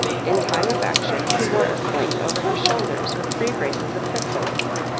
In time of action he wore a sling over his shoulders with three brace of pistols.